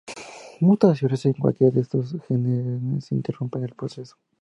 Mutaciones en cualquiera de estos genes interrumpen el proceso.